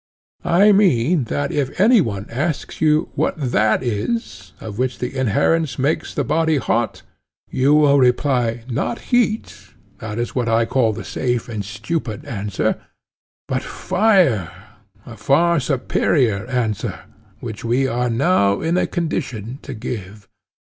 I mean that if any one asks you 'what that is, of which the inherence makes the body hot,' you will reply not heat (this is what I call the safe and stupid answer), but fire, a far superior answer, which we are now in a condition to give.